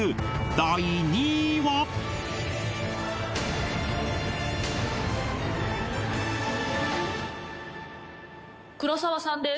第２位は黒沢さんです